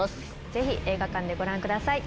ぜひ映画館でご覧ください。